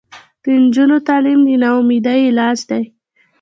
د نجونو تعلیم د ناامیدۍ علاج دی.